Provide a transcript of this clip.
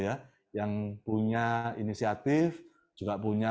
ya yang punya inisiatif juga punya